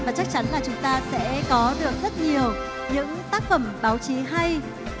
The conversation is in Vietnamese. và chắc chắn là chúng ta sẽ có được rất nhiều những tác phẩm báo chí hay